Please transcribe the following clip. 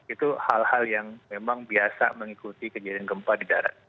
itu hal hal yang memang biasa mengikuti kejadian gempa di darat